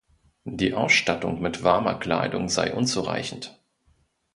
Die Ausstattung mit warmer Kleidung sei unzureichend.